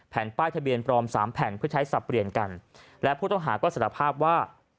ป้ายทะเบียนปลอมสามแผ่นเพื่อใช้สับเปลี่ยนกันและผู้ต้องหาก็สารภาพว่า